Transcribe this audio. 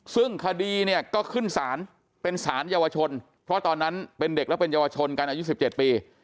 ซึ่งคดีเนี่ยก็ขึ้นสารเป็นสารเยาวชนเพราะตอนนั้นเป็นเด็กและเป็นเยาวชนกันอายุ๑๗ปี